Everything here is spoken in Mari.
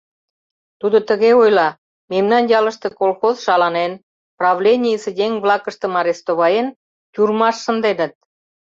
Тудо тыге ойла: «Мемнан ялыште колхоз шаланен, правленийысе еҥ-влакыштым арестоваен, тюрьмаш шынденыт.